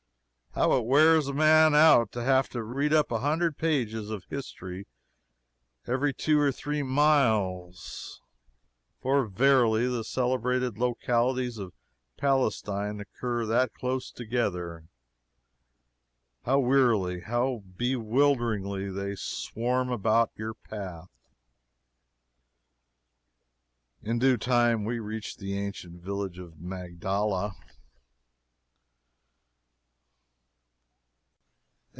How it wears a man out to have to read up a hundred pages of history every two or three miles for verily the celebrated localities of Palestine occur that close together. How wearily, how bewilderingly they swarm about your path! In due time we reached the ancient village of Magdala.